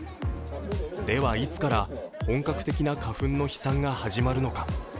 では、いつから本格的な花粉の飛散が始まるのか。